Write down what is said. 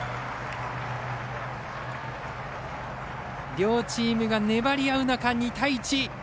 両チームが粘り合う中、２対１。